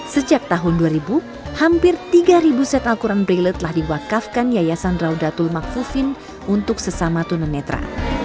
sejak tahun dua ribu hampir tiga set al quran braille telah diwakafkan yayasan raudatul makfufin untuk sesama tunanetra